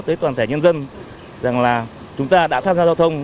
tới toàn thể nhân dân rằng là chúng ta đã tham gia giao thông